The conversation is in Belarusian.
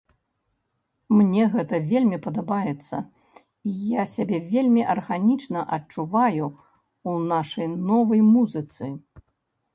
Мне гэта вельмі падабаецца, і я сябе вельмі арганічна адчуваю ў нашай новай музыцы.